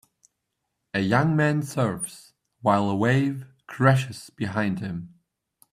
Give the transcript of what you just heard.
A young man surfs while a wave crashes behind him.